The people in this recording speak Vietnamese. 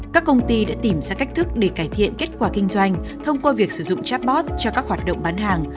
các công ty đã tìm ra cách thức để cải thiện kết quả kinh doanh thông qua việc sử dụng chatbot cho các hoạt động bán hàng